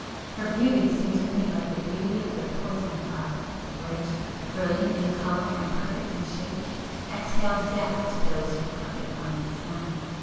Her beauty seemed to me like the beauty of the poison flower, which, brilliant in colour and perfect in shape, exhales death to those who pluck it from its stem.